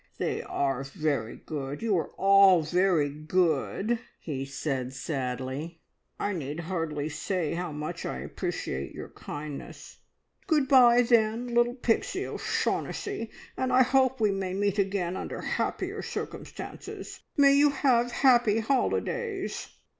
"They are very good! You are all very good," he said sadly. "I need hardly say how much I appreciate your kindness. Good bye, then, little Pixie O'Shaughnessy, and I hope we may meet again under happier circumstances. May you have happy holidays!"